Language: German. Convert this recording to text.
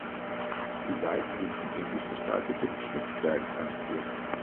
Die Seiten sind von ähnlich gestaltetem Schnitzwerk flankiert.